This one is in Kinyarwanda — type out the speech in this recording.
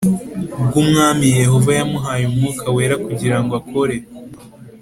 bw Ubwami Yehova yamuhaye umwuka wera kugira ngo akore